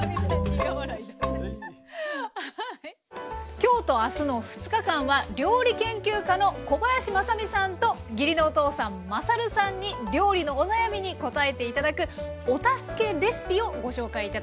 今日とあすの２日間は料理研究家の小林まさみさんと義理のお父さんまさるさんに料理のお悩みにこたえて頂く「お助けレシピ」をご紹介頂きます。